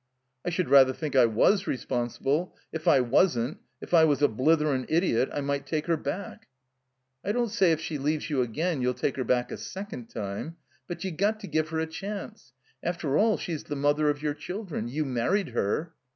"I should rather think I was responsible! If I wasn't — ^if I was a bletherin' idiot — I might take her back —" "I don't say if she leaves you again you'll take her back a second time. But you got to give her a chance. After all, she's the mother of your chil dren. You married her."